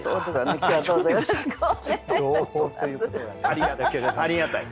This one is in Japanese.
ありがたい。